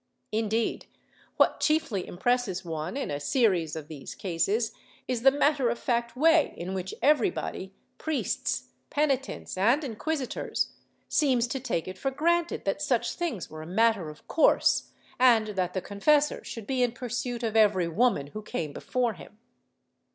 ^ Indeed, what chiefly impresses one, in a series of these cases, is the matter of fact way in which every body — priests, penitents and inquis itors— seems to take it for granted that such things were a matter of course and that the confessor should be in pursuit of every woman who came l^efore him.